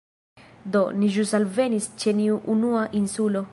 Do, ni ĵus alvenis ĉe nia unua insulo